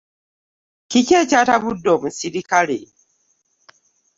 Kiki ekyatabudde omusirikale?